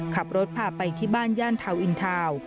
ขับรถผ่าไปที่บ้านย่านเทาอินเทา